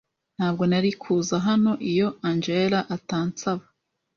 Ntabwo nari kuza hano iyo Angella atansaba.